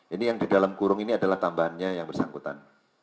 ini yang di dalam kurung ini adalah tambahannya yang bersangkutan